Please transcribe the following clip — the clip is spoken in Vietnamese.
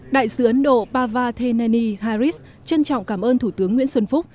đại sứ ấn độ pavartheneni harris trân trọng cảm ơn thủ tướng nguyễn xuân phúc